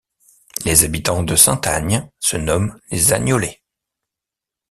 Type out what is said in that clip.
Les habitants de Saint-Agne se nomment les Agnolais.